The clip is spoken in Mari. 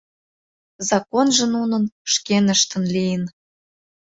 Законжо нунын, шкеныштын, лийын.